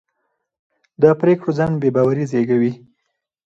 د پرېکړو ځنډ بې باوري زېږوي